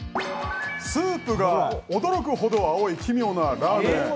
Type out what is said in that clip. スープが驚くほど青い奇妙なラーメン。